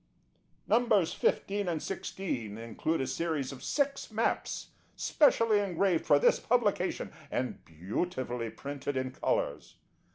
Nos. 15 and 16 include a series of Six Maps, specially engraved for this Publication, and beautifully printed in Colours.